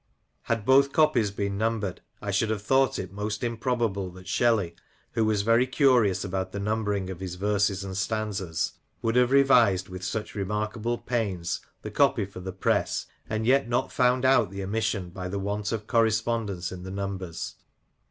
Had both copies been numbered, I should have thought it most improbable that Shelley, who was very curious about the numbering of his verses and stanzas, would have revised with such remarkable pains the copy for the press, and yet not found out the omission by the want of correspondence in the numbers.